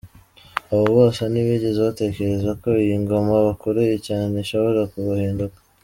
Abo bose nti bigeze batekereza ko iyi ngoma bakoreye cyane ishobora kubahinduka.